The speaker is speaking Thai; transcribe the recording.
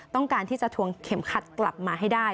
ต้องการที่จะทวงเข็มขัดกลับมาให้ได้